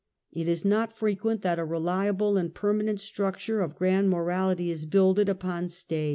It is not frequent that a reliable and permanent structure of grand morality is builded upon stays